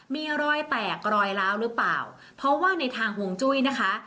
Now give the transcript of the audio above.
มีรอยแตกรอยล้าวหรือเปล่าเพราะว่าในทางห่วงจุ้ยนะคะ